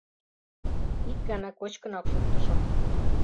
— Ик гана кочкынак шуктышым.